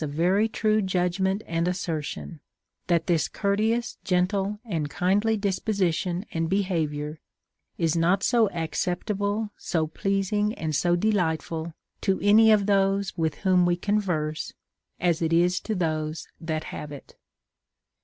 a very true judgment and assertion, that this courteous, gentle, and kindly disposition and behavior is not so acceptable, so pleasing, and so de lightful to any of those Avith whom we converse, as it is to those that have it.